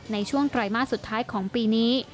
ในช่วงไตรมาสสุดท้ายของปีนี้